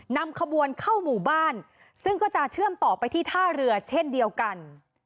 นำขบวนเข้าหมู่บ้านซึ่งก็จะเชื่อมต่อไปที่ท่าเรือเช่นเดียวกัน